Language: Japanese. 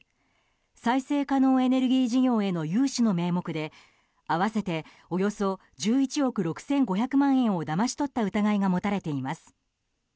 再生可能エネルギー事業への融資の名目で合わせておよそ１１億６５００万円をだまし取った疑いが持たれています。